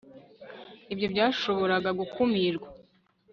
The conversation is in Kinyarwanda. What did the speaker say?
ibyo byashoboraga gukumirwa